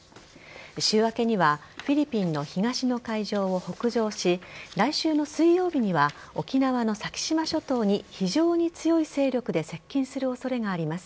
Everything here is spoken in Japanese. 週明けにはフィリピンの東の海上を北上し来週の水曜日には沖縄の先島諸島に非常に強い勢力で接近する恐れがあります。